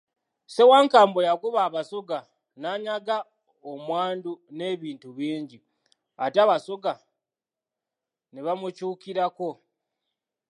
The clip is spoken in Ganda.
Ssewankambo yagoba Abasoga n'anyaga omwandu n'ebintu bingi, ate Abasoga ne bamukyukirako.